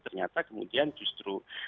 ternyata kemudian justru